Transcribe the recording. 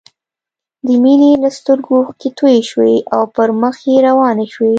د مينې له سترګو اوښکې توې شوې او پر مخ يې روانې شوې